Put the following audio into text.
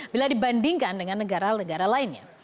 bila dibandingkan dengan negara negara lainnya